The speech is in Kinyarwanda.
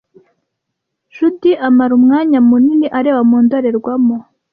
Judy amara umwanya munini areba mu ndorerwamo.